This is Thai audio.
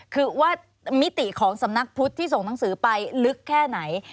คือว่ามิติของสำนักพุทธที่ส่งหนังสือไปลึกแค่ไหน